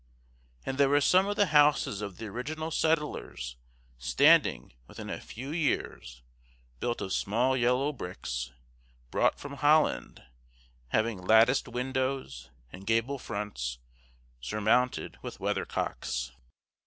and there were some of the houses of the original settlers standing within a few years, built of small yellow bricks, brought from Holland, having latticed windows and gable fronts, surmounted with weathercocks.